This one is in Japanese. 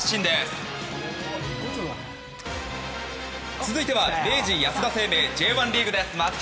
松木さん、続いては明治安田生命Ｊ１リーグです。